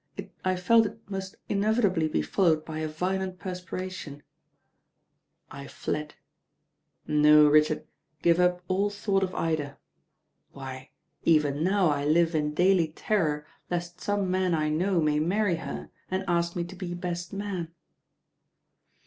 I felt that it must mevitably be followed by a violent perspiration. LORD DREWITTS PERPLEXITIES 9ff I fled. No, Richard; give up all thought of Ida. Why, even now I live in daily terror lest some man I know may marry her and ask me to be best man.